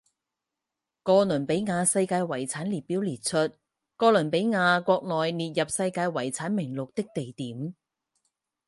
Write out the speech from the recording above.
哥伦比亚世界遗产列表列出哥伦比亚国内列入世界遗产名录的地点。